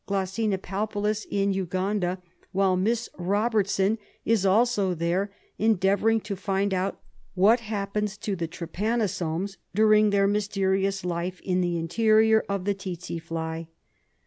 palpalis in Uganda, while Miss Eobertson is also there endea vouring to find out what happens to the trypanosomes during their mysterious life in the interior of the tsetse fly.